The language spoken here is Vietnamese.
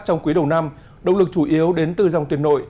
trong quý đầu năm động lực chủ yếu đến từ dòng tiền nội